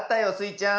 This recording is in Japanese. ちゃん。